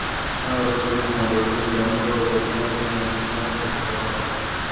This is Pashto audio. هغه د ټیکنالوژۍ ملاتړي ولسمشر مجسمې ته اشاره وکړه